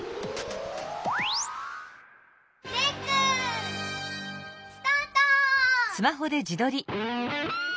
レックスタート！